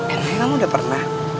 eh lu udah pernah